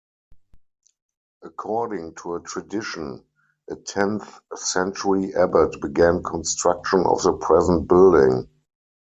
According to a tradition, a tenth-century abbot began construction of the present building.